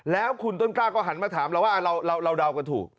แล้วคุณต้นกล้าก็หันมาถามเราว่าเราเดากันถูก